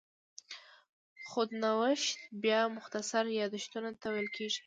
خود نوشت بیا مختصر یادښتونو ته ویل کېږي.